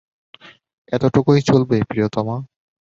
এতটুকুই চলবে, প্রিয়তমা!